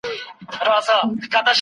آیا دین او دود په تمدن اغیز لري؟